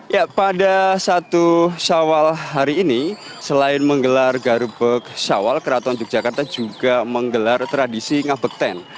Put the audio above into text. ya pada satu syawal hari ini selain menggelar garbek syawal keraton yogyakarta juga menggelar tradisi ngabekten